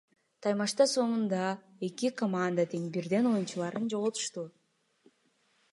Таймаштын соңунда эки команда тең бирден оюнчуларын жоготушту.